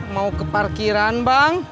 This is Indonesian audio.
mau ke parkiran bang